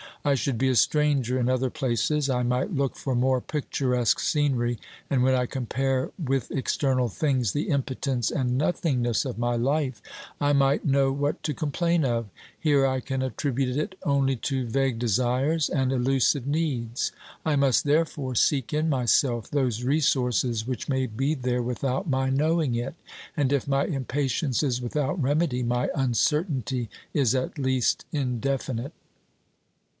I should be a stranger in other places ; I might look for more picturesque scenery, and when I compare with external things the impotence and nothingness of my life, I might know what to complain of; here I can attribute it only to vague desires and elusive needs. I must, therefore, seek in myself those resources which may be there without my knowing it, and if my impatience is without remedy, my uncertainty is at least indefinite.